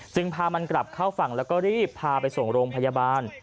พามันกลับเข้าฝั่งแล้วก็รีบพาไปส่งโรงพยาบาล